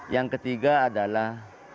yang ketiga adalah